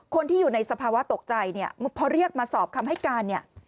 คนที่อยู่ในสภาวะตกใจเนี่ยพอเรียกมาสอบคำให้การเนี่ย